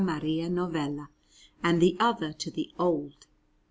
Maria Novella and the other to the old.